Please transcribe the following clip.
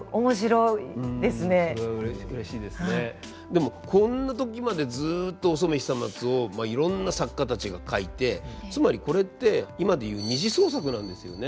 でもこんな時までずっとお染久松をいろんな作家たちが書いてつまりこれって今で言う「二次創作」なんですよね。